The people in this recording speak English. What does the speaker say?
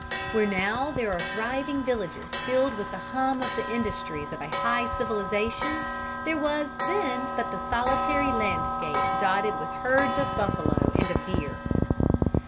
Where now there are thriving villages filled with the hum of the industries of a high civilization, there was then but the solitary landscape dotted with herds of buffalo and of deer.